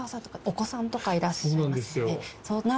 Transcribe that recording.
お子さんとかいらっしゃいますよね。